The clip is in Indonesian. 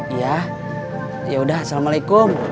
iya ya udah assalamualaikum